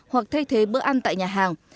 hoặc thay thế bữa ăn tại nhà hàng